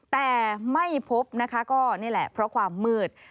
แต่ไม่พบนะคะก็นี่แหละเพราะความมืด